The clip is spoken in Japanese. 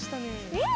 うん！